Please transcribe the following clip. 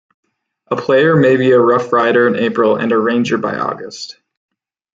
A player may be a RoughRider in April and a Ranger by August.